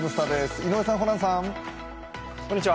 井上さん、ホランさん。